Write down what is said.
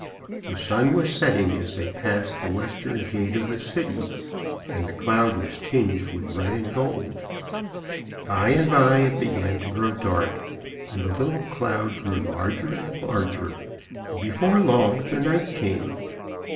The sun was setting as they passed the western gate of the city, and the cloud was tinged with red and gold. By and by it began to grow dark, and the little cloud grew larger and larger, and before long the night came.